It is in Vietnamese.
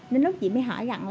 nên lúc chị mới hỏi gặn lại là